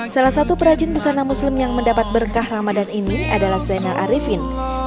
salah satu perajin busana muslim yang mendapat berkah ramadan ini adalah zainal arifin